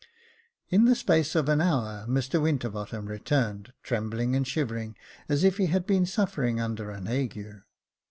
In the space of half an hour Mr Winterbottom returned, trembling and shivering as if he had been suffering under an ague.